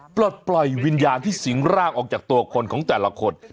ปลดปล่อยวิญญาณที่สิงร่างออกจากตัวคนของแต่ละคน